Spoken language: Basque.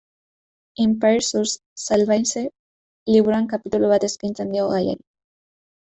Empire sous Surveillance liburuan kapitulu bat eskaintzen dio gaiari.